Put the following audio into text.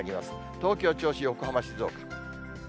東京、銚子、横浜、静岡。